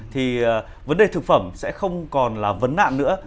thì vấn đề thực phẩm sẽ không còn là vấn nạn nữa